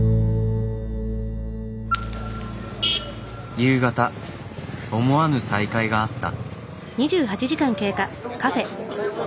夕方思わぬ再会があった。